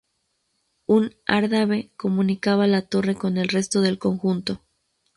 Un adarve comunicaba la torre con el resto del conjunto.